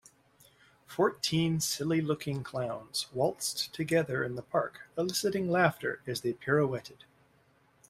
Fourteen silly looking clowns waltzed together in the park eliciting laughter as they pirouetted.